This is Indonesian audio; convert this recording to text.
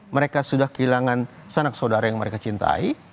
mereka sudah kehilangan sanak saudara yang mereka cintai